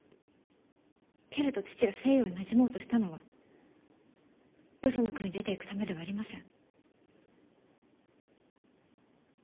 けれど父が西洋になじもうとしたのはよその国に出ていくためではありません。